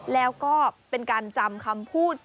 แล้วก็เป็นการจำคำพูด